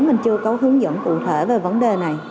mình chưa có hướng dẫn cụ thể về vấn đề này